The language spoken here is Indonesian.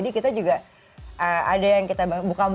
kita juga apa buraya